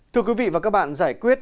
thưa quý vị và các bạn giải quyết